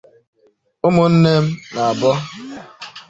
ụmụ nne n’abọ